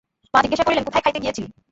মা জিজ্ঞাসা করিলেন, কোথায় খাইতে গিয়াছিলি।